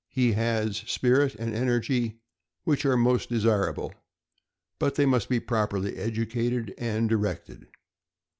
He has spirit and energy, which are most desirable, but they must be properly educated and directed.